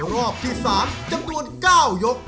รอบที่๓จำนวน๙ยก